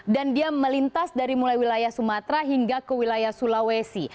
dan dia melintas dari mulai wilayah sumatera hingga ke wilayah sulawesi